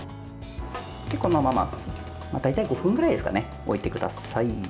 このまま大体５分ぐらい置いてください。